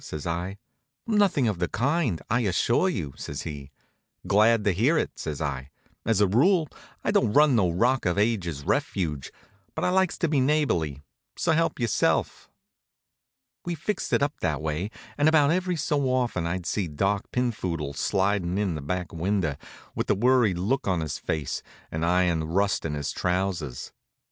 says I. "Nothing of the kind, I assure you," says he. "Glad to hear it," says I. "As a rule, I don't run no rock of ages refuge, but I likes to be neighborly, so help yourself." We fixed it up that way, and about every so often I'd see Doc Pinphoodle slidin' in the back window, with a worried look on his face, and iron rust on his trousers.